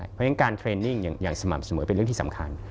เพราะฉะนั้นการเทรนนิ่งอย่างสม่ำเสมอเป็นเรื่องที่สำคัญ